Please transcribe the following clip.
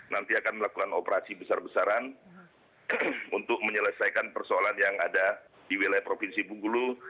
nanti akan melakukan operasi besar besaran untuk menyelesaikan persoalan yang ada di wilayah provinsi bungkulu